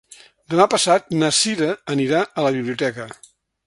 Demà passat na Cira anirà a la biblioteca.